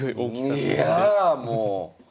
いやあもう！